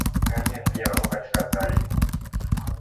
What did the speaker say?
ngamia pia wako katika hatari